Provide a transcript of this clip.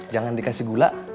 jangan dikasih gula